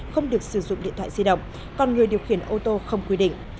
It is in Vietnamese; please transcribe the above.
không được sử dụng điện thoại di động còn người điều khiển ô tô không quy định